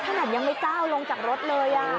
ที่ถนัดยังไม่เจ้าลงจากรถเลย